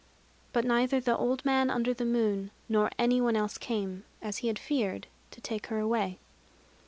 But neither the Old Man under the Moon nor any one else came as he had feared to take her away.